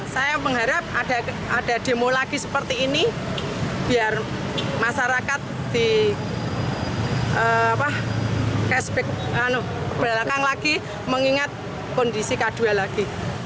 saya mengharap ada demo lagi seperti ini biar masyarakat di cashback ke belakang lagi mengingat kondisi k dua lagi